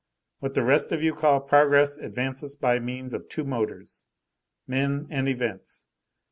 What the rest of you call progress advances by means of two motors, men and events.